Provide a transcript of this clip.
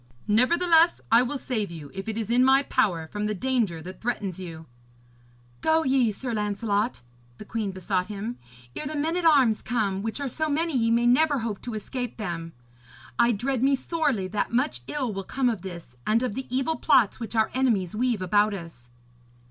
Nevertheless, I will save you, if it is in my power, from the danger that threatens you.' 'Go ye, Sir Lancelot,' the queen besought him, 'ere the men at arms come, which are so many ye may never hope to escape them. I dread me sorely that much ill will come of this, and of the evil plots which our enemies weave about us.'